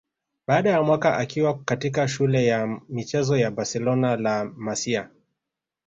Baada ya mwaka akiwa katika shule ya michezo ya Barcelona La Masia